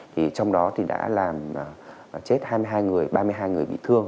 trong đó đã làm chết ba mươi hai người ba mươi hai người bị thương